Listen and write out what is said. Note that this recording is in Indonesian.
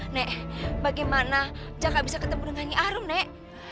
nek bagaimana jaka bisa ketemu dengan nyi arum nek